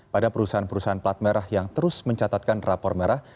pada perusahaan perusahaan plat merah yang terus mencatatkan rapor merah